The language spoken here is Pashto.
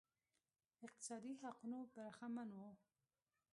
اقتصادي حقونو برخمن وو